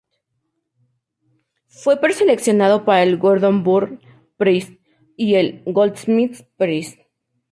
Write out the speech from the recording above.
Fue preseleccionado para el Gordon Burn Prize y el Goldsmiths Prize.